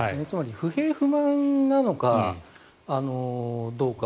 つまり不平不満なのかどうか。